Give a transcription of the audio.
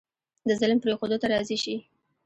د ظلم پرېښودو ته راضي شي.